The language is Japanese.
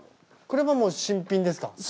これはもう新品ですか。